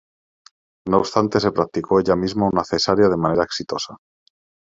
No obstante se practicó ella misma una cesárea de manera exitosa.